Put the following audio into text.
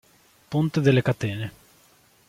Ponte delle Catene